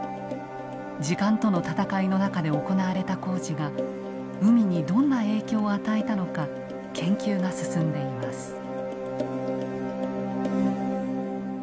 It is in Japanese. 時間との闘いの中で行われた工事が海にどんな影響を与えたのか研究が進んでいます。